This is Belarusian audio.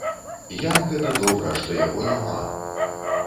Як гэта добра, што яго няма!